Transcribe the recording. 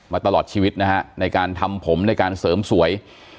ตลอดชีวิตนะฮะในการทำผมในการเสริมสวย